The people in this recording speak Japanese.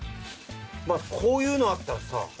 まあこういうのあったらさ。